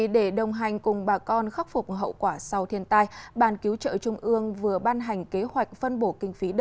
để đồng hành cùng bà con khắc phục hậu quả sau thiên tai bàn cứu trợ trung ương vừa ban hành kế hoạch phân bổ kinh phí